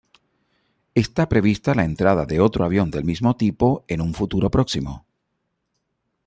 Está prevista la entrada de otro avión del mismo tipo en un futuro próximo.